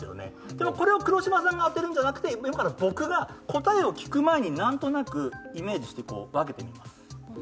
でも、これを黒島さんが当てるんじゃなくて、今から僕が答えを聞く前に、なんとなくイメージして分けてみます。